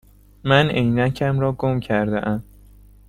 من عینکم را گم کرده ام.